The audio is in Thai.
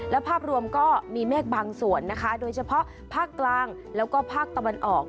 และภาพรวมก็มีเมฆบางส่วนนะคะโดยเฉพาะภาคกลางแล้วก็ภาคตะวันออก